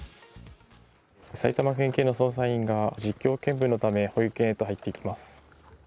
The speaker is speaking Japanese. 埼玉県警の捜査員が実況見分のため保育園に入っていきます。